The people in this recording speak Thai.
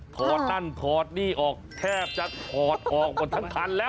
ถอดนั่นถอดนี่ออกแทบจะถอดออกหมดทั้งคันแล้ว